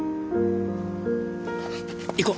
行こう。